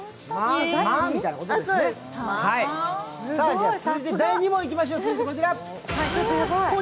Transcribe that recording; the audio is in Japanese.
続いて第２問いきましょう。